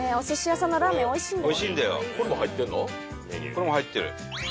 これも入ってる。